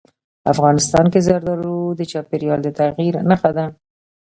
افغانستان کې زردالو د چاپېریال د تغیر نښه ده.